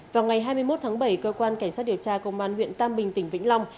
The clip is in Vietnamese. vào ngày hai mươi một tháng bảy cơ quan cảnh sát điều tra công an huyện tam bình tỉnh vĩnh long